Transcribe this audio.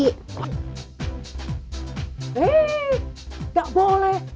eh gak boleh